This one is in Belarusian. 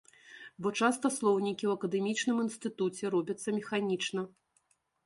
Бо часта слоўнікі ў акадэмічным інстытуце робяцца механічна.